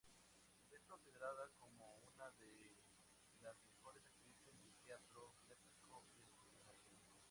Es considerada como una de las mejores actrices de teatro clásico de su generación.